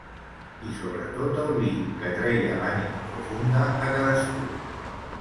I sobretot el vi, que treia l’ànima profunda a cadascú.